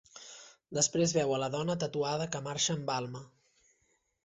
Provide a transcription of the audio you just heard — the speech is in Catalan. Després veu a la dona tatuada que marxa amb Alma.